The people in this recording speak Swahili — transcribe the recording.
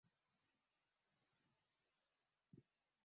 wakati wote unatakiwa kuwa mkweli katika maongezi yako